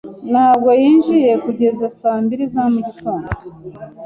Ntabwo yinjiye kugeza saa mbiri za mugitondo.